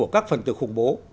các phần từ khủng bố